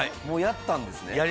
もうやったんですね。